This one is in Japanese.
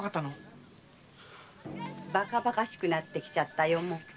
バカバカしくなってきたよ。